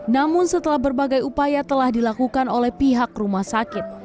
namun setelah berbagai upaya telah dilakukan oleh pihak rumah sakit